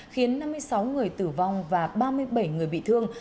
khiến năm mươi sáu người tử vong và ba mươi bảy người bị thương